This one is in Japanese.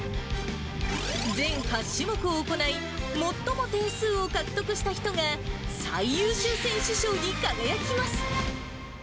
全８種目を行い、最も点数を獲得した人が、最優秀選手賞に輝きます。